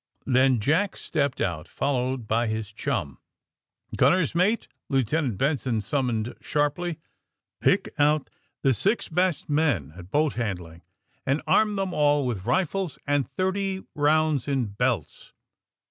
'' Then Jack stepped out, followed by his chum. 120 THE SUBMAEINE BOYS *^ Gunner's mate!" Lieutenant Benson sum moned sharply. Pick out the six best men at boat handling and arm them all with rifles and thirty rounds in belts.